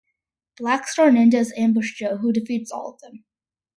Black Star ninjas ambush Joe, who defeats all of them.